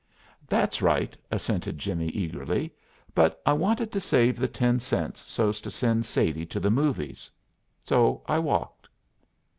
"That's right!" assented Jimmie eagerly. "But I wanted to save the ten cents so's to send Sadie to the movies. So I walked."